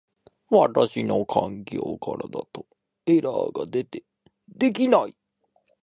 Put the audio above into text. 私の環境からだとエラーが出て出来ない